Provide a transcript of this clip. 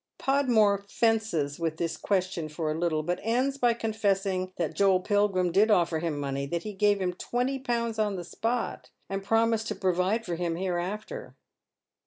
Podmore fences with this question for a little, but ends by confessing that Joel Pilgrim did offer him money ; that ho gaya hira twenty pounds on the spot, and promised to provide for hira hereafter.